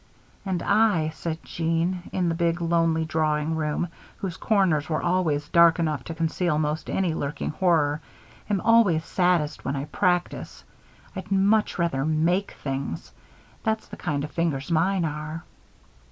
"And I," said Jeanne, in the big, lonely drawing room, whose corners were always dark enough to conceal most any lurking horror, "am always saddest when I practice. I'd much rather make things that's the kind of fingers mine are."